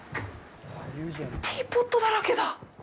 ティーポットだらけだ！